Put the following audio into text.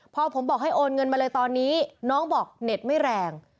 พอผมบอกให้โอนเงินมาเลยตอนนี้น้องบอกเน็ตไม่แรง